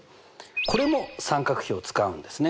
これも三角比を使うんですね。